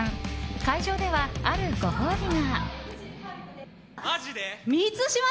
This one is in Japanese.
会場では、あるご褒美が。